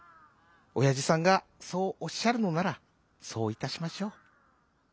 おやじさんがそうおっしゃるのならそういたしましょう」。